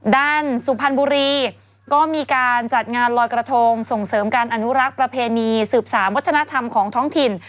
สุพรรณบุรีก็มีการจัดงานลอยกระทงส่งเสริมการอนุรักษ์ประเพณีสืบสารวัฒนธรรมของท้องถิ่น